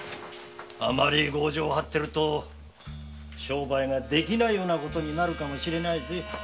あまり強情を張っていると商売ができないようなことになるかも。